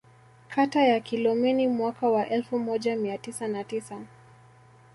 Kata ya Kilomeni mwaka wa elfu moja mia tisa na tisa